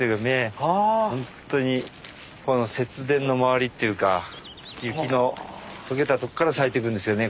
ほんとにこの雪原の周りというか雪の解けたとこから咲いてくんですよね